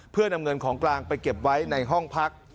เพื่อนำเงินของกลางไปเก็บไว้ในห้องพัก